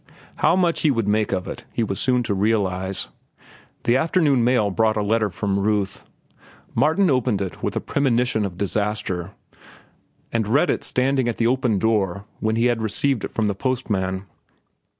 How much he would make of it he was soon to realize. The afternoon mail brought a letter from Ruth. Martin opened it with a premonition of disaster, and read it standing at the open door when he had received it from the postman.